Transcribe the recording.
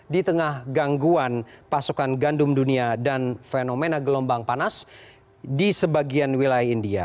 di tengah gangguan pasukan gandum dunia dan fenomena gelombang panas di sebagian wilayah india